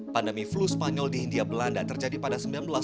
pandemi flu spanyol di india belanda terjadi pada seribu sembilan ratus delapan belas